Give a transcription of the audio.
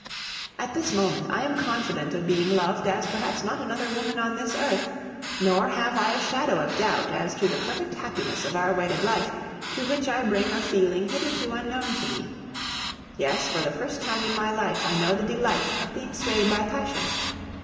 At this moment I am confident of being loved as perhaps not another women on this earth, nor have I a shadow of doubt as to the perfect happiness of our wedded life, to which I bring a feeling hitherto unknown to me. Yes, for the first time in my life, I know the delight of being swayed by passion.